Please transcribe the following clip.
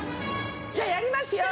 じゃあやりますよ。